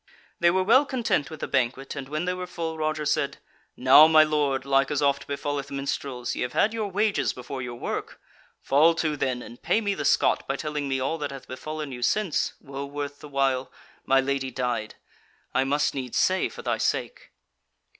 They were well content with the banquet, and when they were full, Roger said: "Now, my Lord, like as oft befalleth minstrels, ye have had your wages before your work. Fall to, then, and pay me the scot by telling me all that hath befallen you since (woe worth the while!) my Lady died, I must needs say, for thy sake."